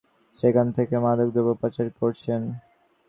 সেখান থেকে মাদকদ্রব্য পাচার করছেন।